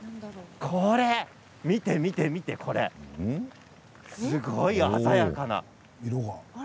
見て、見て、これすごい鮮やかな。